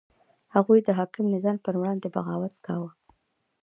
هغوی د حاکم نظام په وړاندې بغاوت کاوه.